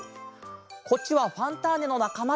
こっちは「ファンターネ！」のなかまたち。